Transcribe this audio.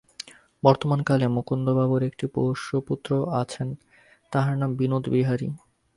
বর্তমান কালে মুকুন্দবাবুর একটি পোষ্যপুত্র আছেন, তাঁহার নাম বিনোদবিহারী।